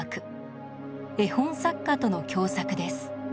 絵本作家との共作です。